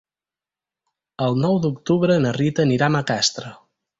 El nou d'octubre na Rita anirà a Macastre.